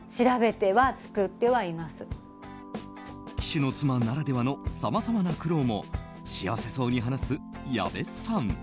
騎手の妻ならではのさまざまな苦労も幸せそうに話す矢部さん。